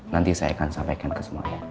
nanti saya akan sampaikan ke semua ya